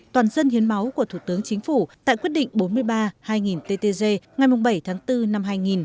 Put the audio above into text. toàn dân hiến máu của thủ tướng chính phủ tại quyết định bốn mươi ba hai nghìn ttg ngày bảy tháng bốn năm hai nghìn